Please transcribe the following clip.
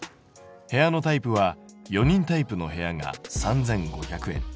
部屋のタイプは４人タイプの部屋が３５００円。